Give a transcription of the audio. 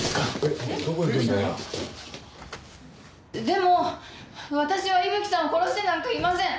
「でも私は伊吹さんを殺してなんかいません！」